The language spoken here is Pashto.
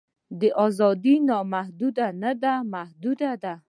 دا ازادي نامحدوده نه ده محدوده ده.